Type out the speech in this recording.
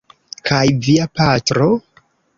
Kaj via patro?